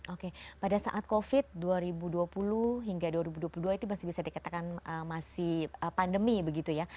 oke pada saat covid dua ribu dua puluh hingga dua ribu dua puluh dua itu masih bisa dikatakan masih pandemi begitu ya